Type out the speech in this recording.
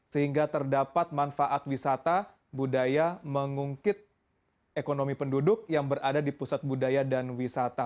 sehingga terdapat manfaat wisata budaya mengungkit ekonomi penduduk yang berada di pusat budaya dan wisata